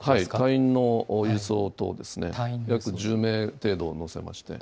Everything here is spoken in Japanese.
隊員の輸送等ですね、約１０名程度を乗せまして。